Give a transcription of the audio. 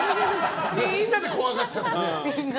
みんなで怖がっちゃう。